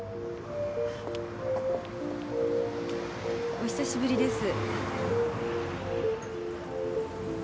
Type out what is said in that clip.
お久しぶりです。